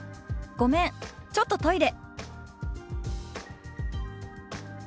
「ごめんちょっとトイレ」。